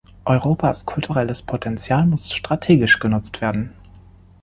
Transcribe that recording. Europas kulturelles Potenzial muss strategisch genutzt werden.